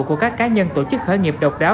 của các cá nhân tổ chức khởi nghiệp độc đáo